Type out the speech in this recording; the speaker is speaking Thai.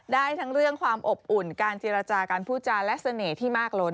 ได้ทั้งเรื่องความอบอุ่นการเจรจาการพูดจาและเสน่ห์ที่มากล้น